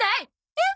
えっ？